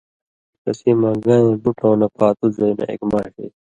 (ݜسی مہ) گان٘یں بُٹؤں نہ پاتُو زئ نہ اېک ماݜے